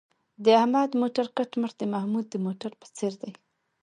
د احمد موټر کټ مټ د محمود د موټر په څېر دی.